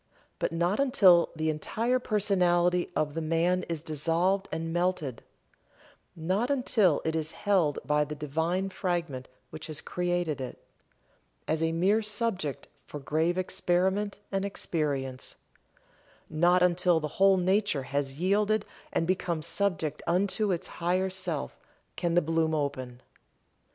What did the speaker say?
But not until the entire personality of the man is dissolved and melted not until it is held by the divine fragment which has created it, as a mere subject for grave experiment and experience not until the whole nature has yielded and become subject unto its higher self, can the bloom open.